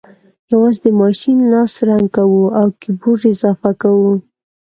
یوازې د ماشین لاس رنګ کوو او کیبورډ اضافه کوو